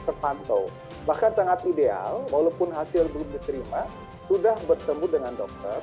terpantau bahkan sangat ideal walaupun hasil belum diterima sudah bertemu dengan dokter